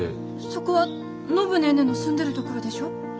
そこは暢ネーネーの住んでる所でしょ？